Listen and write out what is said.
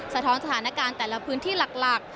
สะท้อนสถานการณ์แต่ละพื้นที่หลัก